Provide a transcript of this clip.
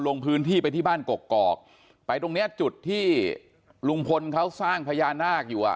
ลงพื้นที่ไปที่บ้านกกอกไปตรงเนี้ยจุดที่ลุงพลเขาสร้างพญานาคอยู่อ่ะ